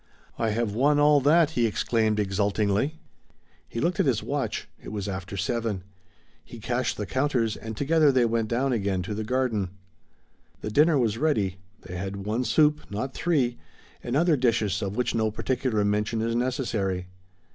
"I have won all that!" he exclaimed exultingly. He looked at his watch, it was after seven. He cashed the counters and together they went down again to the garden. The dinner was ready. They had one soup, not three, and other dishes of which no particular mention is necessary.